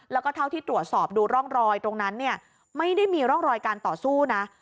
แล้วก็ที่ถ้าตรวจสอบเมื่อดูร่องรอยตรงนแบบนั้นไม่ได้มีร่องรอยการต่อสู้นะ